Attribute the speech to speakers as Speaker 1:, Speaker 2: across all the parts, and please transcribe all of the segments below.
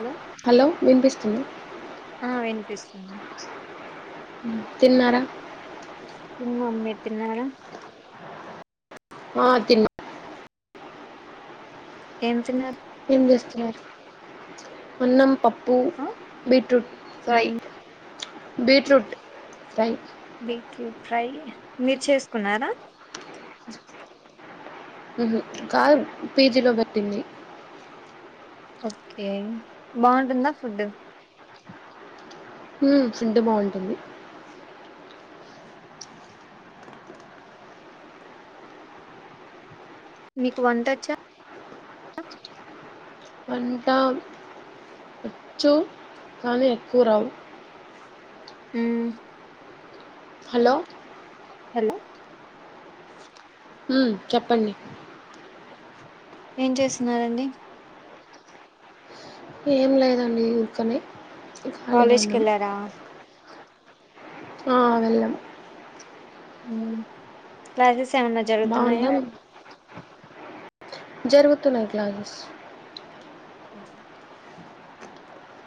Speaker 1: Hello
Speaker 2: hello వినిపిస్తుంది
Speaker 1: ఆ వినిపిస్తుంది
Speaker 2: [inaudible] తిన్నారా
Speaker 1: తిన్నాం మీరు తిన్నారా
Speaker 2: ఆ తిన్న
Speaker 1: ఎం తిన్నారు
Speaker 2: ఏం చేస్తున్నారు అన్నం పప్పు ప్పు
Speaker 1: ఆ
Speaker 2: బీట్రూట్ ఫ్రై
Speaker 1: మ్మ్
Speaker 2: బీట్రూట్ ఫ్రై
Speaker 1: బీట్రూట్ ఫ్రై మీరు చేసుకున్నారా
Speaker 2: కాదు పీజీలో పెట్టింది
Speaker 1: ఓకే బాగుంటుందా ఫుడ్
Speaker 2: హు ఫుడ్ బాగుంటుంది
Speaker 1: నీకు వంటచ్చా
Speaker 2: వంట వచ్చు కానీ ఎక్కువ రావు
Speaker 1: హమ్
Speaker 2: హలో
Speaker 1: హలో
Speaker 2: మ్మ్ చెప్పండి
Speaker 1: ఏం చేస్తున్నారండి
Speaker 2: ఏం లేదండి ఊరికనే ఖాళీగా
Speaker 1: కాలేజ్ కి
Speaker 2: ఉన్నాం
Speaker 1: వెళ్ళారా
Speaker 2: ఆ వెళ్ళాం
Speaker 1: మ్మ్ క్లాసెస్ స్ ఏమన్నా జరుగుతున్నాయా
Speaker 2: బాగుందా జరుగుతున్నాయి క్లాసెస్
Speaker 1: ఎన్నె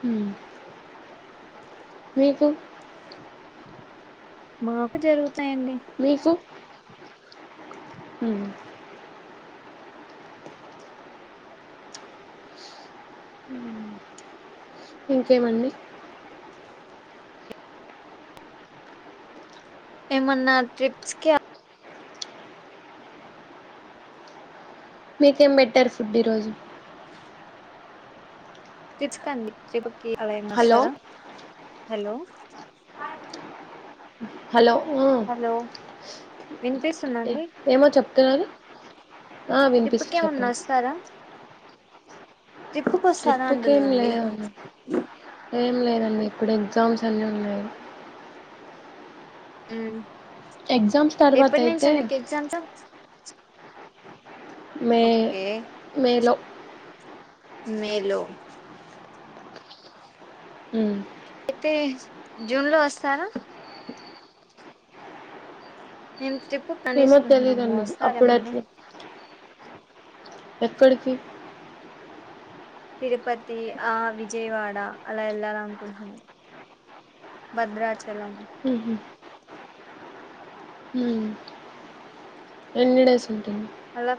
Speaker 2: హ్మ్ మీకు
Speaker 1: మాకు జరుగుత్ తున్నాయి అండి
Speaker 2: మీకు మ్, ఇంకేమండి
Speaker 1: ఏమన్న ట్రిప్స్ కి [unintelligible]
Speaker 2: మీకేం పెట్టారు ఫుడ్ ఈరోజు
Speaker 1: ట్రిప్స్క్ అండి ట్రిప్ కి ఎవరైనా
Speaker 2: హలో
Speaker 1: వస్తారా హలో
Speaker 2: హలో ఆ
Speaker 1: హలో వినిపిస్తుంద అండి
Speaker 2: ఎవరు ఆ వినిపిస్తు
Speaker 1: కి ఏమన్నా
Speaker 2: చెప్పండి
Speaker 1: ట్రిప్పుకొస్తారా
Speaker 2: ట్రిప్పుకి ఏం
Speaker 1: అంటున్నాండి
Speaker 2: లేదండి ఏం లేదండి ఇప్పుడు ఎగ్జామ్స్ అన్నీ ఉన్నాయి
Speaker 1: హ్మ్
Speaker 2: ఎగ్జామ్స్ తర్వాత అయితే
Speaker 1: ఎగ్జామ్స్
Speaker 2: మే
Speaker 1: ఓకే
Speaker 2: మేలో
Speaker 1: మేలో
Speaker 2: ఉమ్
Speaker 1: అయితే జూన్ లో వస్తారా ఎం టిప్
Speaker 2: ఏమో
Speaker 1: కనేసుకుంటున్నాము
Speaker 2: తెలీదండి అప్పుడు
Speaker 1: వస్తారేమన్నా
Speaker 2: అట్లా ఎక్కడికి
Speaker 1: తిరుపతి ఆ విజయవాడ అలా వెళ్ళాలనుకుంటున్నాను భద్రాచ చలం
Speaker 2: ఉహు ఉమ్ ఎన్ని డేస్ ఉంటుంది
Speaker 1: అలా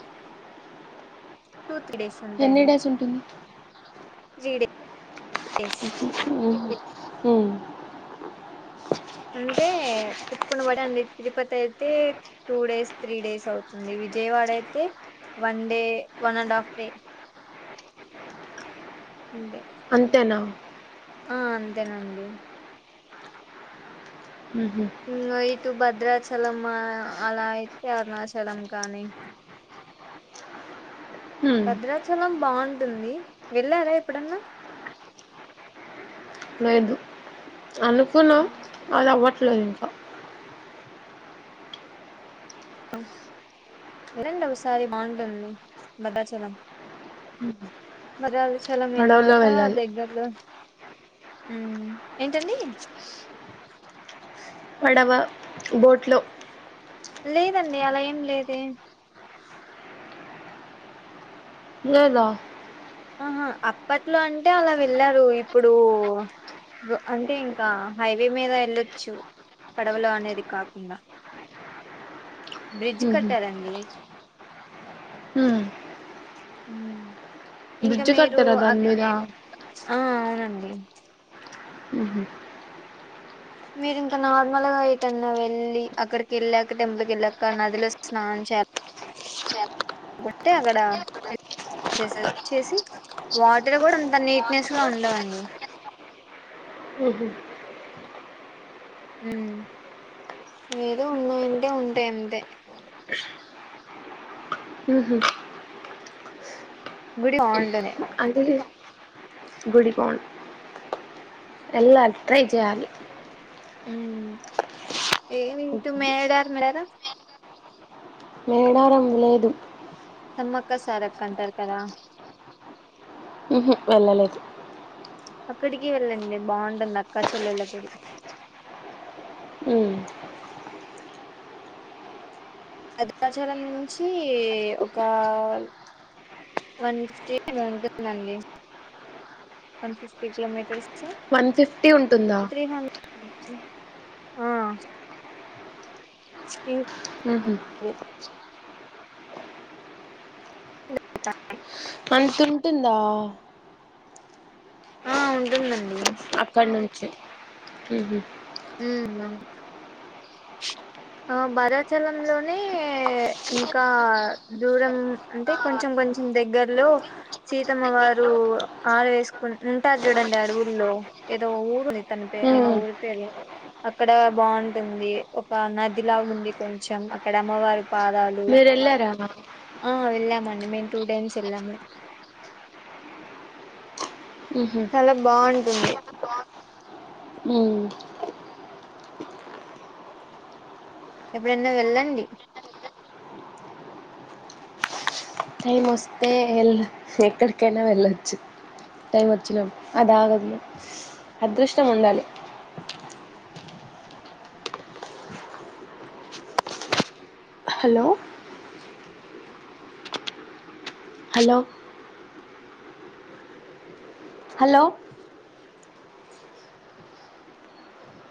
Speaker 1: టూ త్రీ డేస్ అంతే
Speaker 2: ఎన్ని
Speaker 1: అండి
Speaker 2: డేస్ ఉంటుంది
Speaker 1: త్రీ డే
Speaker 2: ఉహు ఉమ్
Speaker 1: అంటే ట్రిప్పుకుడండి అండి తిరుపతి అయితే టూ డేస్ త్రీ డేస్ అవుతుంది విజయవాడ అయితే one day one and half day ఉందే
Speaker 2: అంతేనా
Speaker 1: ఆ అంతేనండి
Speaker 2: ఉహు
Speaker 1: ఉంగయి ఇటు భద్రాచలం అలా అయితే అరుణాచలం కానీ
Speaker 2: ఉమ్
Speaker 1: భద్రాచలాం బాగుంటుంది వెళ్ళారా ఎప్పుడన్నా
Speaker 2: లేదు అనుకున్న అలా వ ప్లో ఇంకా
Speaker 1: వినండి ఒకసారి బాగుంటుంది భద్రాచలం మరి రాచ్ చలం
Speaker 2: పడవలో
Speaker 1: వెళ్ళాక
Speaker 2: వెళ్ళాలి
Speaker 1: దగ్గర్లో ఉమ్ ఏంటండి
Speaker 2: పడవ బోట్లో
Speaker 1: లేదండి అలా ఏం లేదే
Speaker 2: లేదా
Speaker 1: ఆహ అప్పట్లో అంటే అలా వెళ్ళారు ఇప్పుడు అంటే ఇంకా హైవే మీద వెళ్ళొచ్చు పడవలు అనేది కాకుండా బ్రిడ్జ్
Speaker 2: ఉహు
Speaker 1: కట్టారా అండి
Speaker 2: ఉ
Speaker 1: ఉమ్ ఇంకా
Speaker 2: బ్రిడ్జ్
Speaker 1: మీరు
Speaker 2: కట్టారా
Speaker 1: అ
Speaker 2: దాని మీద
Speaker 1: ఆ అవునండి
Speaker 2: ఊహూ
Speaker 1: మీరు ఇంకా నార్మల్గా ఎటన్నా వెళ్ళి అక్కడికి వెళ్ళాక టెంపుల్కి వెళ్ళాక నదిలో స్నానం చేయాలకుంటే అక్కడ చేసి వాటర్ కూడా అంత నీట్నెస్ గా ఉండవండి
Speaker 2: ఊహూ
Speaker 1: హ్మ్ ఏదో ఉన్నాయంటే ఉంటాయి అంతే
Speaker 2: ఉహు
Speaker 1: గుడి బావుంటది
Speaker 2: అంటే వెళ్ళాలి ట్రై చేయాలి
Speaker 1: హ్మ్ ఏవి తూ
Speaker 2: ఉహు.
Speaker 1: మేడారం వెళ్ళారా
Speaker 2: మేడారం లేదు
Speaker 1: సమ్మక్క సారక్క అంటారు కదా
Speaker 2: ఊహూ వెళ్ళలేదు
Speaker 1: అక్కడికి వెళ్ళండి బాగుంటుంది అక్కా చెల్లెళ్ళ గొలుసు
Speaker 2: హ్మ్
Speaker 1: అది భద్రాచలం నుంచి ఒక వన్ ఫిఫ్టీ ఎం తోఉంటుందండి one fifty kilometres
Speaker 2: one fifty ఉంటుందా
Speaker 1: త్రీ హండ్రెడ్ ఆ ఇన్
Speaker 2: ఊహూ అంతుంటుందా
Speaker 1: ఆ ఉంటుందండి
Speaker 2: అక్కన్ చే హ్మ్ హు
Speaker 1: మ్మ్ అవును ఆ భరాచలంలోనే ఇంకా దూరం అంటే కొంచెం కొంచెం దగ్గరలో సీతమ్మ వారు ఆడ వేసుకు ఉంటారు చూడండి అడవులో ఏదో ఊరుంది తన పే
Speaker 2: ఉ
Speaker 1: ఆ ఊరి పేరు ఏ అక్కడ బాగుంటుంది ఒక నదిలా ఉంది కొంచెం అక్కడ అమ్మవారికి పాదాలు
Speaker 2: మీరు వెళ్ళారా
Speaker 1: ఆ వెళ్ళాం అన్ మేము టూ టైమ్స్ వెళ్ళాము
Speaker 2: ఉహు
Speaker 1: చాలా బాగుంటుంది
Speaker 2: మ్మ్
Speaker 1: ఎప్పుడైనా వెళ్ళండి
Speaker 2: టైం వస్తే వెళ్ళ ఎక్కడికైనా వెళ్ళచ్చు టైం వచ్చినప్పు అది ఆగదు అదృష్టం ఉండాలి హలో హలో హలో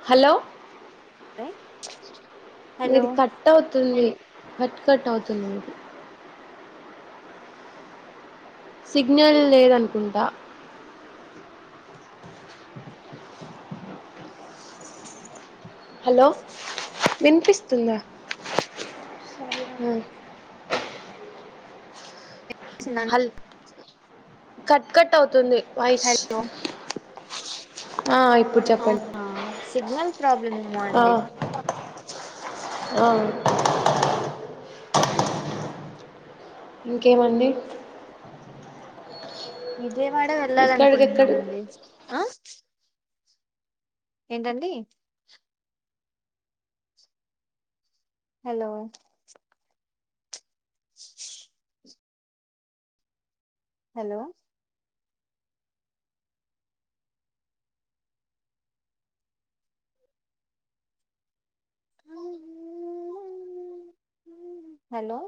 Speaker 2: హలో
Speaker 1: [unintelligible]
Speaker 2: మీది కట్ అవుతుంది కట్ కట్ అవుతుంది సిగ్నల్ లేదనుకుంటా హలో వినిపిస్తుందా హల్ కట్ కట్ అవుతుంది వయిస్
Speaker 1: హలో
Speaker 2: ఆ ఇప్పుడు చెప్పండి
Speaker 1: అవునా సిగ్నల్ ప్రాబ్లమ్ ఏమో
Speaker 2: ఆ,
Speaker 1: అండి
Speaker 2: ఆ అవు ఇంకేమండి
Speaker 1: నిజే వాడ వెళ్ళాల
Speaker 2: ఇక్కడికెక్కడ
Speaker 1: అనుకుంటున్నాముంది ఏంటండి హలో హలో హలో